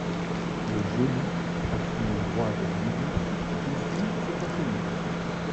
Le Geloux, affluent droit de la Midouze, conflue sur la commune.